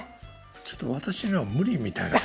ちょっと私には無理みたいです。